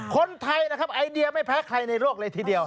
คนไทยนะครับไอเดียไม่แพ้ใครในโลกเลยทีเดียว